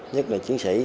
nhất là chiến sĩ